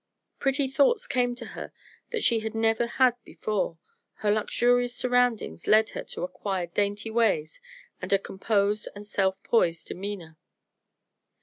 Pretty thoughts came to her that she had never had before; her luxurious surroundings led her to acquire dainty ways and a composed and self poised demeanor.